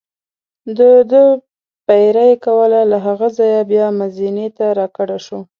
دده پیره یې کوله، له هغه ځایه بیا مزینې ته را کډه شو.